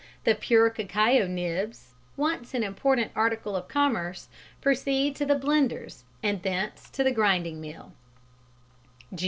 The pure cacao nibs (once an important article of commerce) proceed to the blenders and thence to the grinding mill.